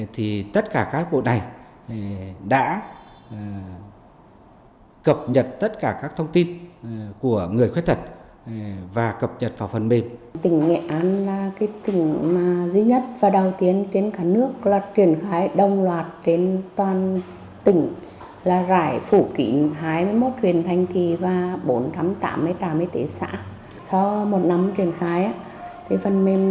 thì tất cả các bộ này đã cập nhật tất cả các thông tin của người khuyết tật và cập nhật vào phần mềm